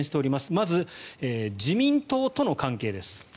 まず、自民党との関係です。